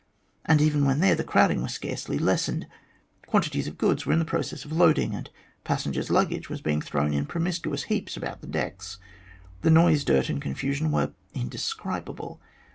And even when there, the crowding was scarcely lessened. Quantities of goods were in process of loading, and passengers' luggage was being thrown in promiscuous heaps about the decks. The noise, dirt, and confusion were indescribable.